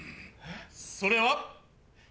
それは。